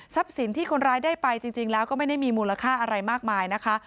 สินที่คนร้ายได้ไปจริงแล้วก็ไม่ได้มีมูลค่าอะไรมากมายนะคะ